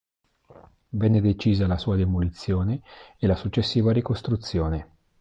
Venne decisa la sua demolizione e la successiva ricostruzione.